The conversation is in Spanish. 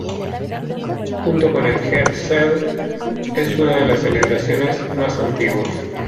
Junto con el Heb Sed es una de las celebraciones más antiguas.